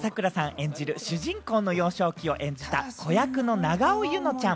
演じる主人公の幼少期を演じた子役の永尾柚乃ちゃん。